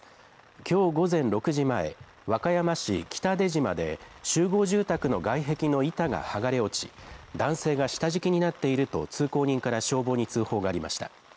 きょう午前６時前、和歌山市北出島で集合住宅の外壁の板が剥がれ落ち、男性が下敷きになっていると通行人から消防に通報がありました。